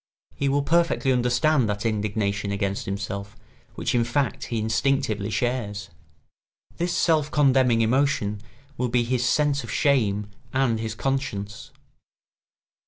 He will perfectly understand that indignation against himself which in fact he instinctively shares. This self condemning emotion will be his sense of shame and his conscience.